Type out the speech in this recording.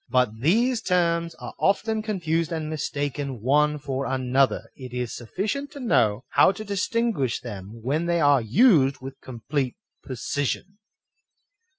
But these terms are often confused and are mistaken one for another; it is sufficient to know how to distinguish them when they are used with complete precision.